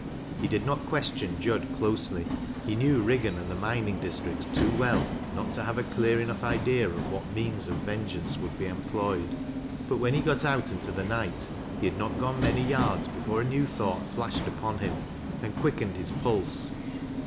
He did not qnestion Jud closely. He knew Riggan and the mining districts too well not to have a clear enough idea of what means of vengeance ivonld be employed. j&ut when he got ont into the night he had not gone many yards before a new thought flashed upon him, and quickened his pulse.